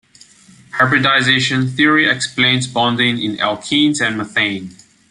Hybridisation theory explains bonding in alkenes and methane.